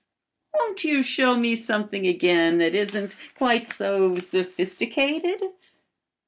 Won't you show me something again that isn't quite so sophisticated?"